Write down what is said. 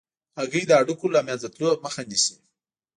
هګۍ د هډوکو له منځه تلو مخه نیسي.